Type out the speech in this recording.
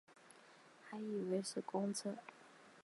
还以为是公车